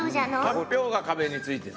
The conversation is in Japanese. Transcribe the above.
かんぴょうが壁についてた。